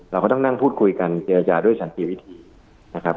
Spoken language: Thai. เราก็ต้องนั่งพูดคุยกันเจรจาด้วยสันติวิธีนะครับ